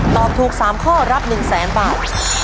ตอบถูก๓ข้อรับ๑๐๐๐๐๐บาท